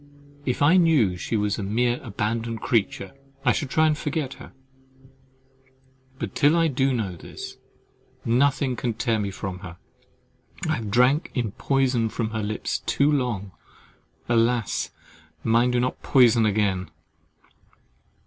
If I knew she was a mere abandoned creature, I should try to forget her; but till I do know this, nothing can tear me from her, I have drank in poison from her lips too long—alas! mine do not poison again.